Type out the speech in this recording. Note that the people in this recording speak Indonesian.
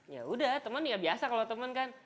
ya udah temen ya biasa kalau temen kan